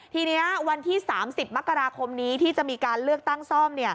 ทีนี้วันที่๓๐มกราคมนี้ที่จะมีการเลือกตั้งซ่อม